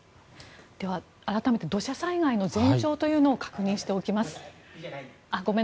では、改めて土砂災害の前兆というのを確認しておきます。